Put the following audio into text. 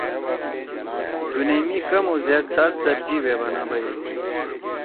دُونیئی می کم و زیاد سات زر جیِب بنَا بیَدی۔